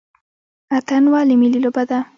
اتن ولې ملي لوبه ده؟